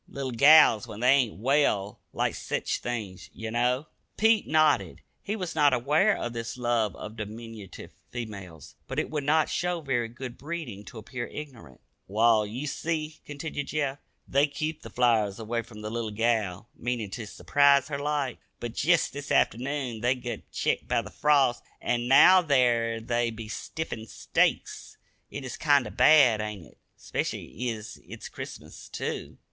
Little gals, when they ain't well, like sech things, ye know." Pete nodded. He was not aware of this love of diminutive females, but it would not show very good breeding to appear ignorant. "Wall, ye see," continued Jeff, "they kep the flowers away from the little gal, meanin' ter s'prise her like. But jest this afternoon they gut ketched by the frost, an' now there they be stiffer'n stakes. It is kinder bad, ain't it 'specially ez it's Christmas, too?"